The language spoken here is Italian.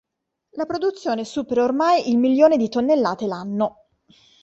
La produzione supera ormai il milione di tonnellate l'anno.